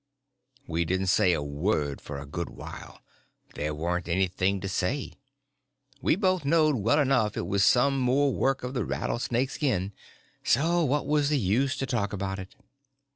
We didn't say a word for a good while. There warn't anything to say. We both knowed well enough it was some more work of the rattlesnake skin; so what was the use to talk about it?